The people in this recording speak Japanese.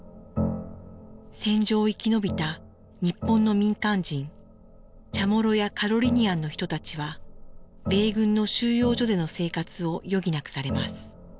戦場を生き延びた日本の民間人チャモロやカロリニアンの人たちは米軍の収容所での生活を余儀なくされます。